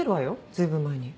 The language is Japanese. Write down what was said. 随分前に。